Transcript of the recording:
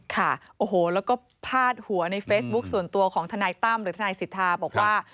ค่ะโอ้โหแล้วก็พาดหัวในเฟซบุ๊คส่วนตัวของทนายตั้มหรือทนายสิทธาบอกว่า